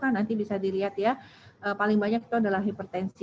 nanti bisa dilihat ya paling banyak itu adalah hipertensi